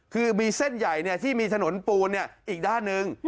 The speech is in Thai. คือมีเส้นใหญ่เนี่ยที่มีถนนปูนเนี่ยอีกด้านหนึ่ง